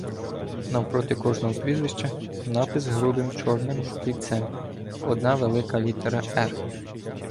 Навпроти кожного прізвища — напис грубим червоним олівцем, одна велика літера Р.